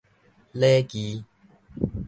禮誼